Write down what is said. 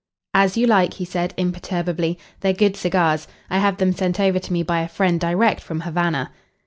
"As you like," he said imperturbably. "They're good cigars. I have them sent over to me by a friend direct from Havana."